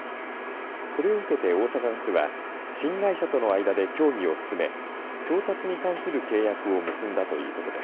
これを受けて大阪ガスは新会社との間で協議を進め調達に関する契約を結んだということです。